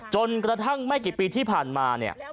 จนกระทั่งไม่กี่ปีที่ผ่านมาเนี่ย